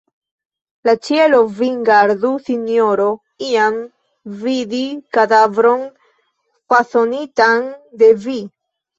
La ĉielo vin gardu, sinjoro, iam vidi kadavron fasonitan de vi!